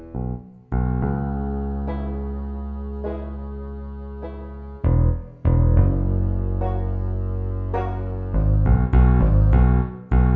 maaf tapi gue udah njepuh